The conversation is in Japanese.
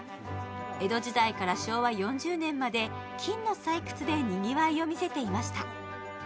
江戸時代から昭和４０年まで金の採掘でにぎわいをみせていました。